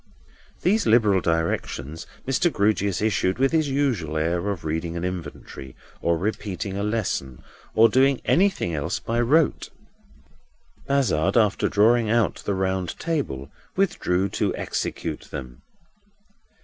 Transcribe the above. These liberal directions Mr. Grewgious issued with his usual air of reading an inventory, or repeating a lesson, or doing anything else by rote. Bazzard, after drawing out the round table, withdrew to execute them.